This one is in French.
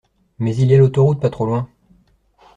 Mais il y a l’autoroute pas trop loin.